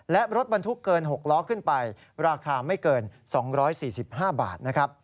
และรถบรรทุกเกิน๖ล้อขึ้นไปราคาไม่เกิน๒๔๕บาทนะครับ